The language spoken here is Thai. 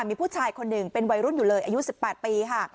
มีผู้ชายคนหนึ่งเป็นวัยรุ่นอยู่เลยอายุ๑๘ปีค่ะ